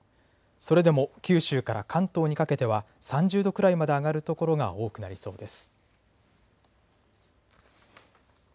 それでも九州から関東にかけては３０度くらいまで上がる所が多くなりそうです。